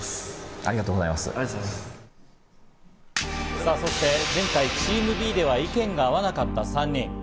さぁ、そして前回チームＢでは意見が合わなかった３人。